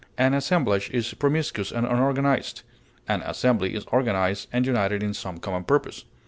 An assemblage is promiscuous and unorganized; an assembly is organized and united in some common purpose.